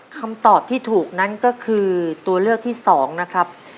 คำตอบที่ถูกนั้นก็คือตัวเลือกที่๒นะครับ